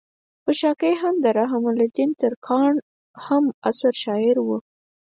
خشاکے هم د رحم الدين ترکاڼ هم عصر شاعر وو